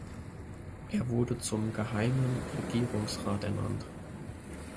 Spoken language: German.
Er wurde zum Geheimen Regierungsrat ernannt.